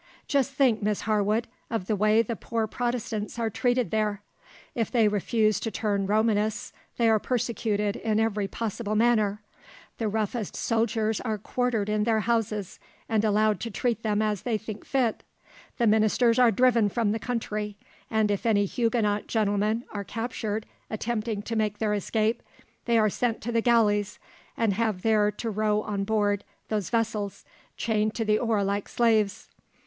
Just think, Miss Harwood, of the way the poor Protestants are treated there. If they refuse to turn Romanists, they are persecuted in every possible manner. The roughest soldiers are quartered in their houses, and allowed to treat them as they think fit. The ministers are driven from the country, and if any Huguenot gentlemen are captured attempting to make their escape, they are sent to the galleys, and have there to row on board those vessels, chained to the oar like slaves.